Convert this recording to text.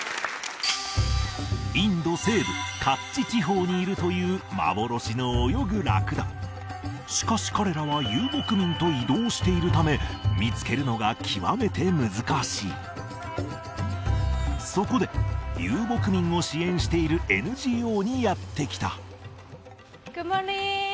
インド西部カッチ地方にいるというしかし彼らは遊牧民と移動しているため見つけるのが極めて難しいそこで遊牧民を支援しているＮＧＯにやって来たグッドモーニング！